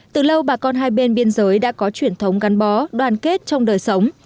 từ lâu bà con hai bên biên giới đã có truyền thống gắn bó đoàn kết trong đời sống